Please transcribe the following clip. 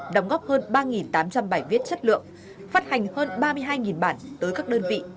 đóng góp hơn ba tám trăm linh bài viết chất lượng phát hành hơn ba mươi hai bản tới các đơn vị